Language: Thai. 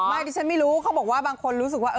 ดิฉันไม่รู้เขาบอกว่าบางคนรู้สึกว่า